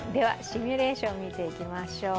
シミュレーションを見ていきましょう。